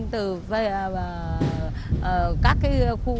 từ các cái